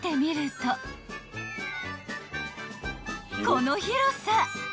［この広さ］